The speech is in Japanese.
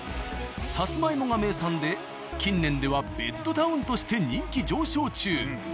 サツマイモが名産で近年ではベッドタウンとして人気上昇中。